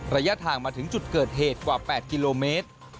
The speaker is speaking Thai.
ระยะทางมาถึงจุดเกิดเหตุกว่า๘กิโลเมตร